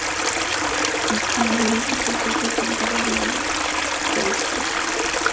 En su madurez empezó a frecuentar a León Tolstói.